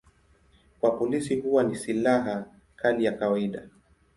Kwa polisi huwa ni silaha kali ya kawaida.